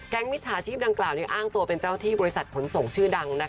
มิจฉาชีพดังกล่าวอ้างตัวเป็นเจ้าที่บริษัทขนส่งชื่อดัง